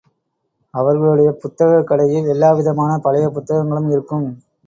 அவர்களுடைய புத்தகக் கடையில் எல்லாவிதமான பழைய புத்தகங்களும் இருக்கும்.